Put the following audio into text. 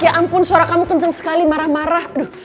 ya ampun suara kamu kenceng sekali marah marah